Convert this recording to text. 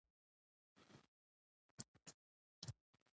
کلتور نه زیانمنېږي.